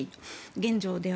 現状では。